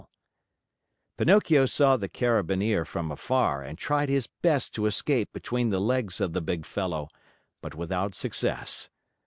* A military policeman Pinocchio saw the Carabineer from afar and tried his best to escape between the legs of the big fellow, but without success.